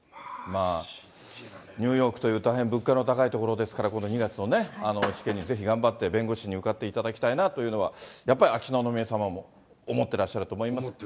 ニューヨークという大変物価の高い所ですから、この２月のね、試験にぜひ頑張って弁護士に受かっていただきたいというのは、やっぱり秋篠宮さまも思ってらっしゃると思います。